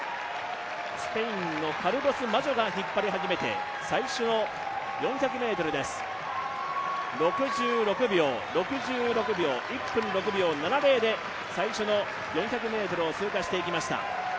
スペインのカルロス・マジョが引っ張り始めて、最初の４００ｍです、６６秒で最初の４００ｍを通過していきました。